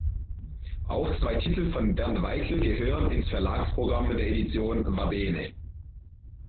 Auch zwei Titel von Bernd Weikl gehören ins Verlagsprogramm der Edition Va Bene.